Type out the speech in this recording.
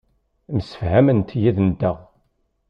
Msefhament yid-nteɣ.